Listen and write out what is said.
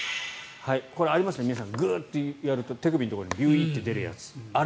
これ、ありますよねグッてやると手首のところにビュイーンと出るやつ。